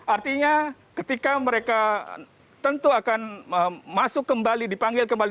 artinya ketika mereka tentu akan masuk kembali dipanggil kembali